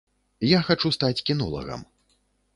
Я хачу стаць кінолагам.